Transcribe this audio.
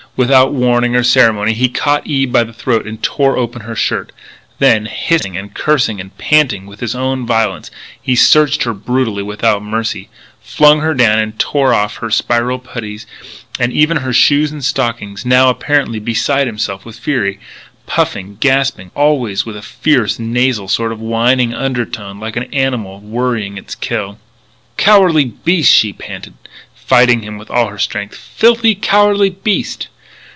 Without warning or ceremony he caught Eve by the throat and tore open her shirt. Then, hissing and cursing and panting with his own violence, he searched her brutally and without mercy flung her down and tore off her spiral puttees and even her shoes and stockings, now apparently beside himself with fury, puffing, gasping, always with a fierce, nasal sort of whining undertone like an animal worrying its kill. "Cowardly beast!" she panted, fighting him with all her strength "filthy, cowardly beast!